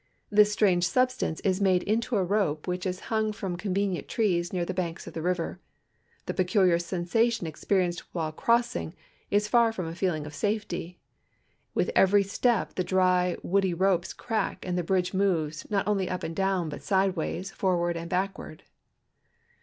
This strange substance is made into a rope which is hung from con venient trees near the banks of the river, 'i'he peculiar sensa tion experienced wliile crossing is far from a feeling of safety; Avith every step the dry, Avoody ropes crack and the liridge moves not only up and down, but sidewise, forward, and backward.